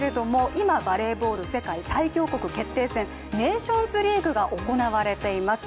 今、バレーボール世界最強国決定戦ネーションズリーグが行われています。